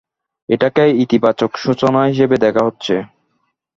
এটাকে ইতিবাচক সূচনা হিসেবেই দেখা হচ্ছে।